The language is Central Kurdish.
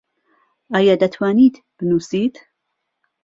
ئایا دەتوانیت بنووسیت؟